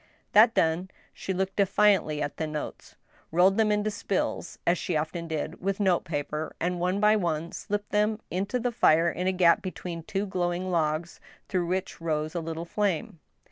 That done, she looked defiantly at the notes, rolled them into spills, as she often did with note paper, and one by one slipped them into the fire in a gap between two glowing log^ through which rose a little flame.